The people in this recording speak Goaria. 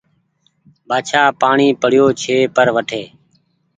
بآڇآ پآڻيٚ تو پڙيو ڇي پر وٺي